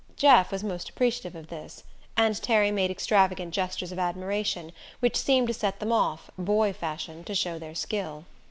Jeff was most appreciative of this; and Terry made extravagant gestures of admiration, which seemed to set them off, boy fashion, to show their skill.